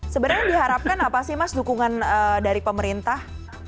sebenarnya diharapkan apa sih mas dukungan dari pemerintah